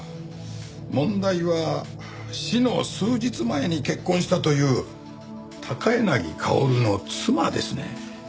問題は死の数日前に結婚したという高柳薫の妻ですね。